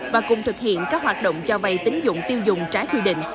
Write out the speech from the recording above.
và cùng thực hiện các hoạt động cho vay tín dụng tiêu dùng trái quy định